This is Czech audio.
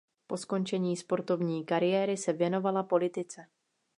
Po skončení sportovní kariéry se věnovala politice.